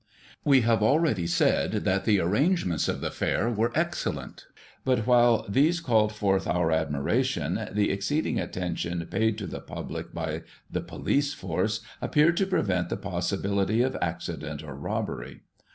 "We have already said that the arrangements of the fair were excellent; but, while these called forth our admiration, the exceeding attention paid to the public by the police force appeared to prevent the possibility of accident or robbery.